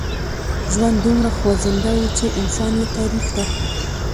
ژوند دومره خوځنده و چې انسان يې تعريف ته.